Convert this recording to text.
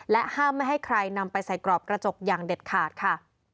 ห้ามไม่ให้ใครนำไปใส่กรอบกระจกอย่างเด็ดขาดค่ะ